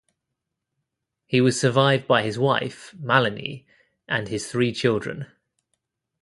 He was survived by his wife, Malinee, and his three children.